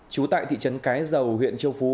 chú tại thị trấn cái dầu huyện châu phú